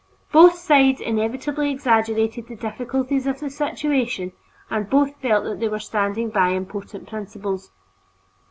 Both sides inevitably exaggerated the difficulties of the situation, and both felt that they were standing by important principles.